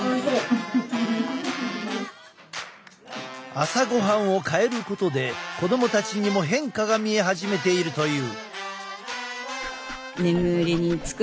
朝ごはんを変えることで子供たちにも変化が見え始めているという。